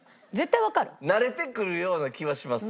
慣れてくるような気はします。